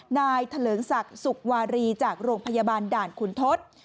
นายทะเลิงสักศุกร์วารีจากโรงพยาบาลด่านคุณทศ